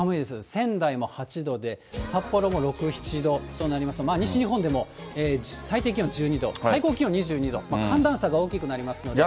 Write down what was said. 仙台も８度で、札幌も６、７度となりますので、西日本でも最低気温１２度、最高気温２２度、寒暖差が大きくなりますので。